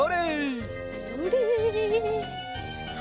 それ！